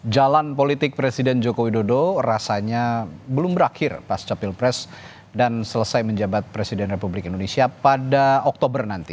jalan politik presiden joko widodo rasanya belum berakhir pasca pilpres dan selesai menjabat presiden republik indonesia pada oktober nanti